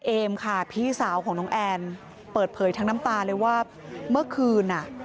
เอมค่ะพี่สาวของน้องแอนเปิดเผยทั้งน้ำตาเลยว่าเมื่อคืนอ่ะ